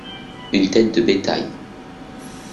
Une tête de bétail.